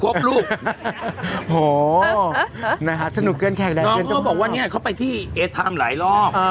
วันนี้เขาไปที่เอสไทม์หลายรอบอืม